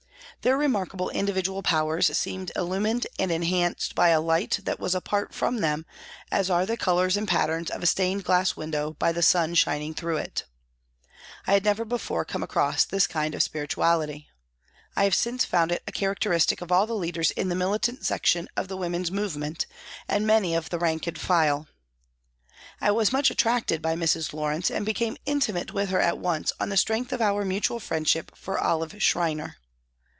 Their remarkable individual powers seemed illumined and enhanced by a light that was apart from them as are the colours and patterns of a stained glass window by the sun shining through it. I had never before come across this kind of spiritu ality. I have since found it a characteristic of all the leaders in the militant section of the woman's movement, and of many of the rank and file. I was much attracted by Mrs. Lawrence, and became inti mate with her at once on the strength of our mutual friendship for Olive Schreiner.